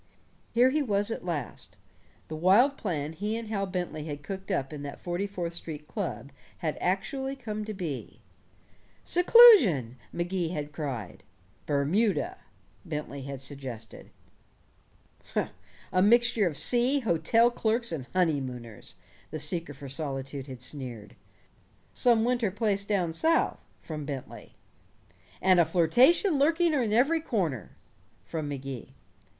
Here he was at last. The wild plan he and Hal Bentley had cooked up in that Forty fourth Street club had actually come to be. "Seclusion," Magee had cried. "Bermuda," Bentley had suggested. "A mixture of sea, hotel clerks, and honeymooners!" the seeker for solitude had sneered. "Some winter place down South," from Bentley. "And a flirtation lurking in every corner!" from Magee.